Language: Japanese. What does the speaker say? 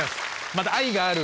また「愛がある」